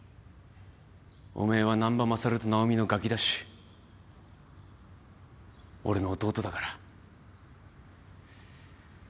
おめえは難破勝とナオミのガキだし俺の弟だから。